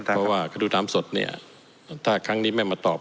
เพราะว่าเขาดูตามสดเนี่ยถ้าครั้งนี้ไม่มาตอบ